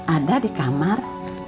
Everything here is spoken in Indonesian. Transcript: ada di kamar